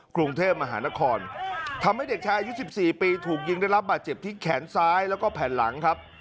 กรุงเทพมหานครทำให้เด็กชายอายุ๑๔ปีถูกยิงได้รับบาดเจ็บที่แขนซ้ายแล้วก็แผ่นหลังครับ